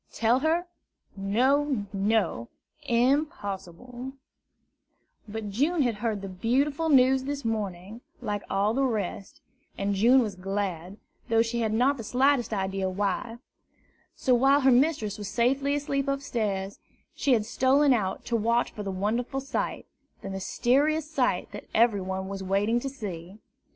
Tell her? No, no, impossible! But June had heard the beautiful news this morning, like all the rest; and June was glad, though she had not the slightest idea why. So, while her mistress was safely asleep upstairs, she had stolen out to watch for the wonderful sight, the mysterious sight that every one was waiting to see.